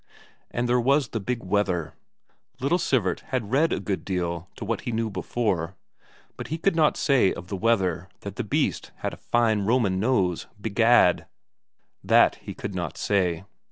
And there was the big wether. Little Sivert had read a good deal to what he knew before, but he could not say of the wether that the beast had a fine Roman nose, begad! That he could not say.